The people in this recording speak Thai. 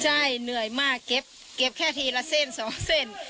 ใช่เหนื่อยมากเก็บแค่ทีละเส้น๒เส้น